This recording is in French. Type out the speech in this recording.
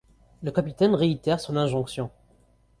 Le capitaine réitère son injonction.